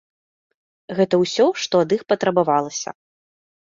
Гэта ўсё, што ад іх патрабавалася.